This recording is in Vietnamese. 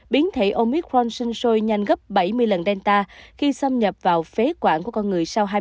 biến thể omicron sinh sôi nhanh gấp bảy mươi lần delta khi xâm nhập vào phế quản của con người sau hai mươi